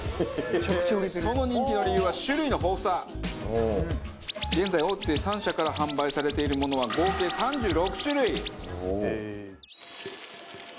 その人気の理由は現在大手３社から販売されているものは合計３６種類。